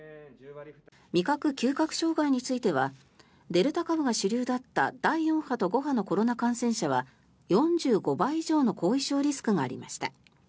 味覚・嗅覚障害についてはデルタ株が主流だった第４波と５波のコロナ感染者は４５倍以上の後遺症リスクがありました。